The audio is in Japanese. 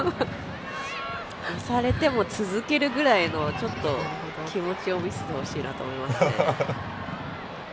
押されても続けるぐらいの気持ちを見せてほしいなと思いますね。